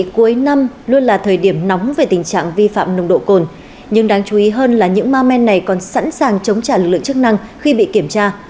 cuối năm luôn là thời điểm nóng về tình trạng vi phạm nồng độ cồn nhưng đáng chú ý hơn là những ma men này còn sẵn sàng chống trả lực lượng chức năng khi bị kiểm tra